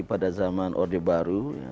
pada zaman orde baru